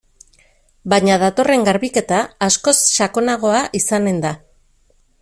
Baina datorren garbiketa askoz sakonagoa izanen da.